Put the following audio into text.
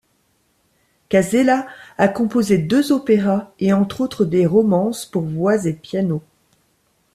Casella a composé deux opéras et entre autres des romances pour voix et piano.